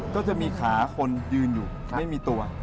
ก็จะมีขาคนยืนอยู่ไม่มีตัว